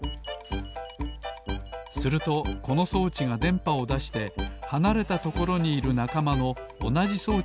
するとこのそうちがでんぱをだしてはなれたところにいるなかまのおなじそうちにつたわります